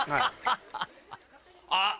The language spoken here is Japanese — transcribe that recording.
あっ！